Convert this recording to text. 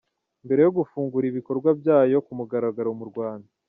Mbere yo gufungura ibikorwa byayo ku mugaragaro mu Rwanda,